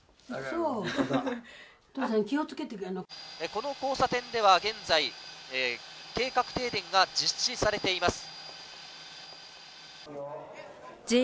この交差点では現在、計画停電が実施されています。